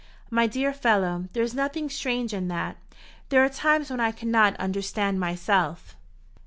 "My dear fellow, there is nothing strange in that. There are times when I cannot understand myself."